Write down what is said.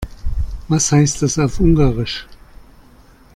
Was heißt das auf Ungarisch?